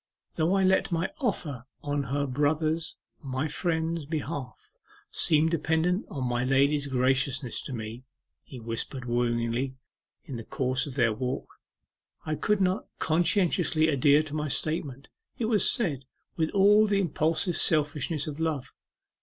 'Though I let my offer on her brother's my friend's behalf, seem dependent on my lady's graciousness to me,' he whispered wooingly in the course of their walk, 'I could not conscientiously adhere to my statement; it was said with all the impulsive selfishness of love.